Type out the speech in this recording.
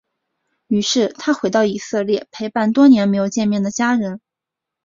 于是他回到以色列陪伴多年没有见面的家人。